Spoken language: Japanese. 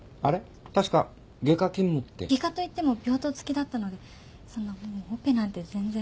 外科と言っても病棟付きだったのでそんなもうオペなんて全然。